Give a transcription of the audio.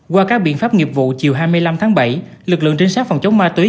qua các biện pháp nghiệp vụ chiều hai mươi năm tháng bảy lực lượng trinh sát phòng chống ma túy